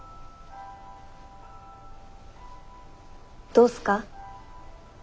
どうっすか？